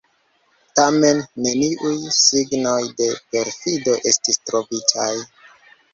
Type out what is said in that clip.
Tamen, neniuj signoj de perfido estis trovitaj.